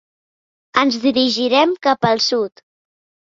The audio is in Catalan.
Ens dirigirem cap al sud.